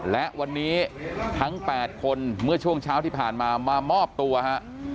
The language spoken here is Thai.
และวันนี้ทั้ง๘คนเมื่อช่วงเช้าที่ผ่านมามามอบตัวฮะ